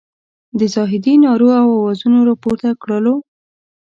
د زاهدي نارو او اوازونو راپورته کړلو.